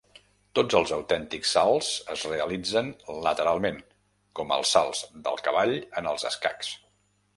Tots els autèntics salts es realitzen lateralment, com els salts del cavall en els escacs.